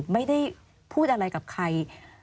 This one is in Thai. ไม่ได้พูดอะไรกับใคร